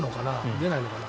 出ないのかな？